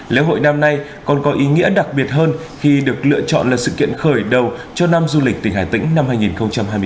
lễ hội năm nay còn có ý nghĩa đặc biệt hơn khi được lựa chọn là sự kiện khởi đầu cho năm du lịch tỉnh hà tĩnh năm hai nghìn hai mươi bốn